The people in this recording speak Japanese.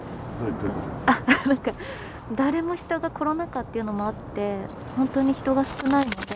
あっなんか誰も人がコロナ禍っていうのもあってほんとに人が少ないので。